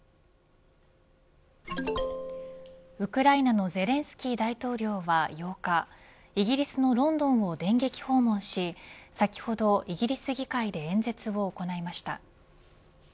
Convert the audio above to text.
ウクライナのゼレンスキー大統領は８日イギリスのロンドンを電撃訪問し先ほど、イギリス議会で演説を行いました。